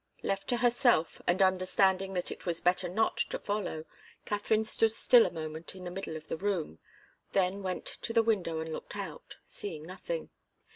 Left to herself, and understanding that it was better not to follow, Katharine stood still a moment in the middle of the room, then went to the window and looked out, seeing nothing.